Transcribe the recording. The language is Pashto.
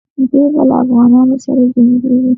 دی به له افغانانو سره جنګیږي.